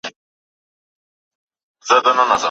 دلارام د نیمروز د نورو سیمو په پرتله ډېر اباد دی